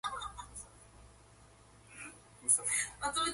Nash returned to the New York Central as vice president of operations.